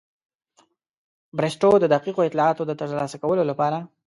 بریسټو د دقیقو اطلاعاتو د ترلاسه کولو لپاره.